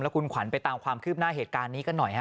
คุณขวัญไปตามความคืบหน้าเหตุการณ์นี้กันหน่อยฮะ